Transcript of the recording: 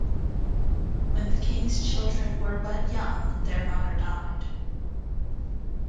When the king's children were but young their mother died.